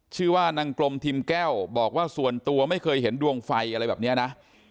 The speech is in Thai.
ชื่อว่านางกลมทิมแก้วบอกว่าส่วนตัวไม่เคยเห็นดวงไฟอะไรแบบนี้นะ